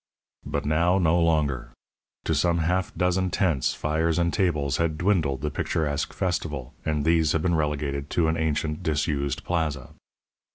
But now no longer. To some half dozen tents, fires, and tables had dwindled the picturesque festival, and these had been relegated to an ancient disused plaza.